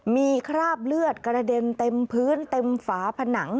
มีคราบเลือดกระเด็นเต็มพื้นเต็มฝาผนัง